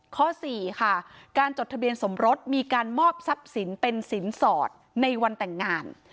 ข้อสี่ค่ะการจดทะเบียนสมรสมีการมอบทรัพย์สินเป็นสินสอดในวันแต่งงาน